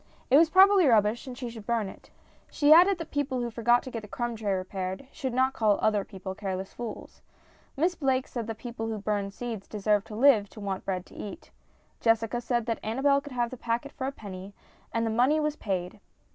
It was probably rubbish, and she should burn it. She added that people who forgot to get the crumb tray repaired should not call other people careless fools. Miss Blake said that people who burned seeds deserved to live to want bread to eat. Jessica said that Annabel could have the packet for a penny, and the money was paid.